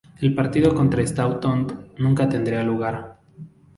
El partido contra Staunton nunca tendría lugar.